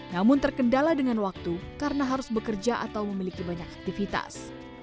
namun terkendala dengan waktu karena harus bekerja atau memiliki banyak aktivitas